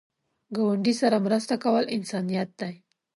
ګاونډي سره مرسته کول انسانیت دی